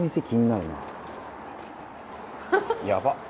「やばっ！」